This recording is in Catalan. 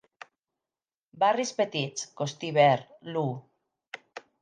Barris petits: Kostivere, Loo.